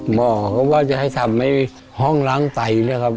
หมอก็ว่าจะให้ทำห้องล้างไต